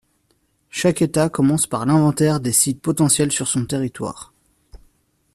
Chaque État commence par l'inventaire des sites potentiels sur son territoire.